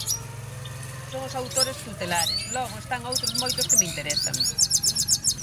Son os autores tutelares, logo están outros moitos que me interesan.